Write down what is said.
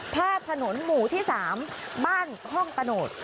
ภาพถนนหมู่ที่๓บ้านห้องตะโนธ